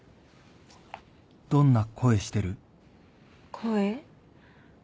声？